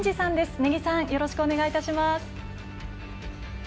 根木さん、よろしくお願いします。